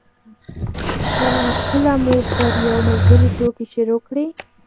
کله مو پر یو ملګري ټوکې شروع کړې.